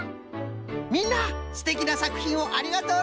みんなすてきなさくひんをありがとうの！